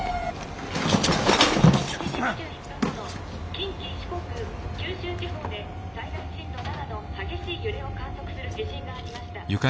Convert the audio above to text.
「近畿四国九州地方で最大震度７の激しい揺れを観測する地震がありました。